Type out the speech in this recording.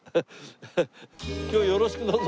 今日よろしくどうぞ。